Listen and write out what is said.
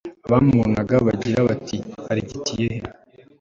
abamubonaga bagire bati arigitiye he